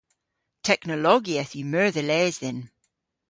Teknologieth yw meur dhe les dhyn.